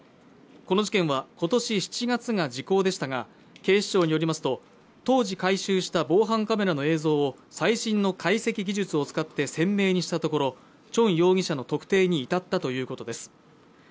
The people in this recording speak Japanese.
この事件はことし７月が時効でしたが警視庁によりますと当時回収した防犯カメラの映像を最新の解析技術を使って鮮明にしたところチョン容疑者の特定に至ったということです